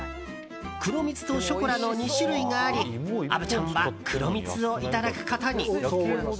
黒蜜とショコラの２種類があり虻ちゃんは黒蜜をいただくことに。